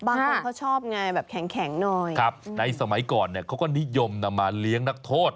บางคนเขาชอบไงแบบแข็งหน่อยครับในสมัยก่อนเนี่ยเขาก็นิยมนำมาเลี้ยงนักโทษ